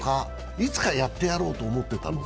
いつかやってやろうと思ってたのか。